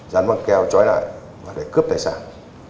dán băng keo chói lại để cướp tài sản